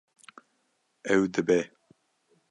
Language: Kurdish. Ew dibe